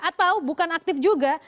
atau bukan aktif juga